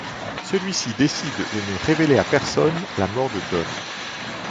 Celui-ci décide de ne révéler à personne la mort de Don.